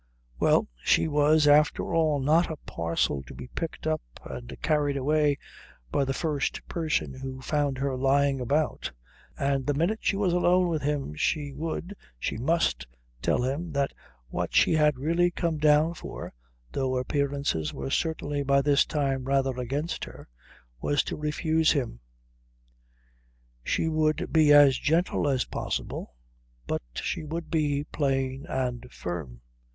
Well, she was after all not a parcel to be picked up and carried away by the first person who found her lying about, and the minute she was alone with him she would, she must, tell him that what she had really come down for, though appearances were certainly by this time rather against her, was to refuse him. She would be as gentle as possible, but she would be plain and firm.